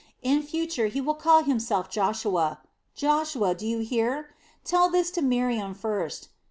In future he will call himself Joshua Joshua, do you hear? Tell this to Miriam first.